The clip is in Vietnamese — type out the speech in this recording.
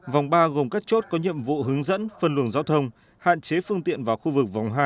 vòng ba gồm các chốt có nhiệm vụ hướng dẫn phân luồng giao thông hạn chế phương tiện vào khu vực vòng hai